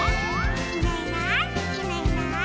「いないいないいないいない」